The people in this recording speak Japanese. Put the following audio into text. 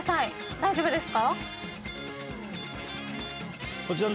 大丈夫ですか？